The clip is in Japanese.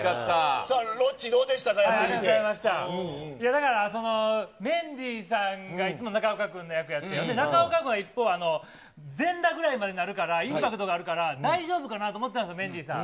だからその、メンディーさんがいつも中岡君の役やってて、中岡君は一方、全裸ぐらいまでなるから、インパクトがあるから、大丈夫かなと思ったんですよ、メンディーさん。